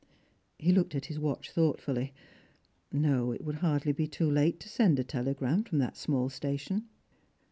He looked at his watch thoughttully. No, it would hardly be too late to send a telegram from that small station.